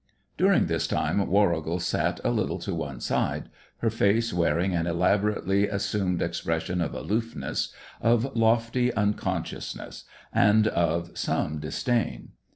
During this time Warrigal sat a little to one side, her face wearing an elaborately assumed expression of aloofness, of lofty unconsciousness, and of some disdain.